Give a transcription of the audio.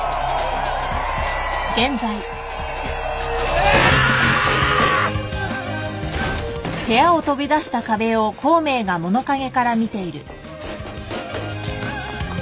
うわーっ！！